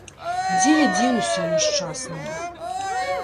Дзе я дзенуся, няшчасная?